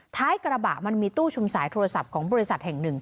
ท้ายกระบะมันมีตู้ชุมสายโทรศัพท์ของบริษัทแห่งหนึ่ง